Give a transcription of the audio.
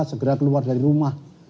segera keluar dari rumah